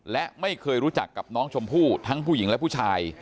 และไม่เคยรู้จักกับน้องชมพู่ทั้งผู้หญิงและผู้ชาย